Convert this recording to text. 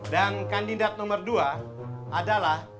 dan kandidat nomor dua adalah